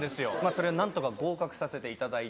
それ何とか合格させていただいて。